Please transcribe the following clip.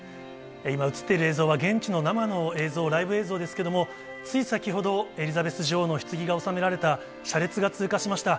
今、映っている映像は、現地の生のライブ映像ですけれども、つい先ほど、エリザベス女王のひつぎが納められた車列が通過しました。